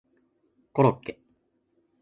コロッケ